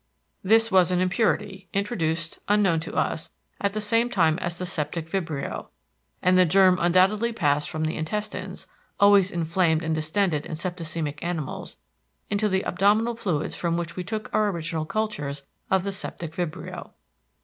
This was an impurity, introduced, unknown to us, at the same time as the septic vibrio; and the germ undoubtedly passed from the intestines—always inflamed and distended in septicemic animals—into the abdominal fluids from which we took our original cultures of the septic vibrio.